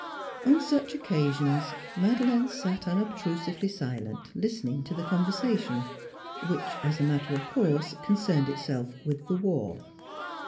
On such occasions Madeleine sat unobstrusively si lent, listening to the conversation, which as a matter of course concerned itself with the war.